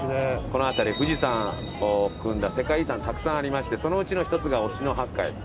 この辺り富士山を含んだ世界遺産たくさんありましてそのうちの１つが忍野八海。